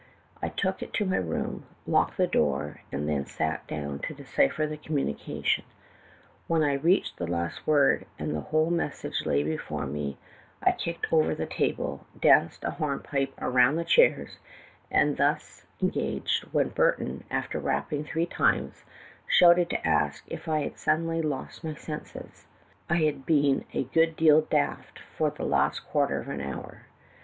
"I took it to my room, locked the door, and then sat down to decipher the communication. When I reached the last word, and the whole mes sage lay before me, I kicked over the table, danced a hornpipe among the chairs, and was thus engaged, when Burton, after rapping three times, shouted to ask if I had suddenly lost my senses. Well, the fact was, I had been a good deal daft for the last quarter of an hour.